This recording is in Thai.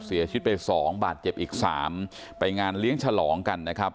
เสียชีวิตไปสองบาทเจ็บอีกสามไปงานเลี้ยงฉลองกันนะครับ